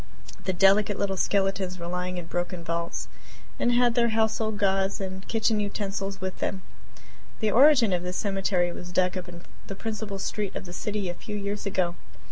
The delicate little skeletons were lying in broken vaults and had their household gods and kitchen utensils with them. The original of this cemetery was dug up in the principal street of the city a few years ago.